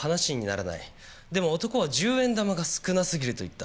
でも男は「１０円玉が少なすぎる」と言った。